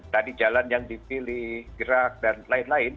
tadi jalan yang dipilih gerak dan lain lain